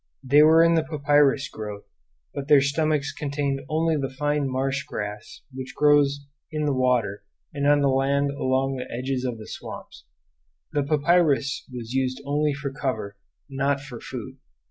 They were in the papyrus growth, but their stomachs contained only the fine marsh grass which grows in the water and on the land along the edges of the swamps; the papyrus was used only for cover, not for food.